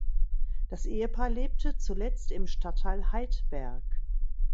Das Ehepaar lebte zuletzt im Stadtteil Heidberg.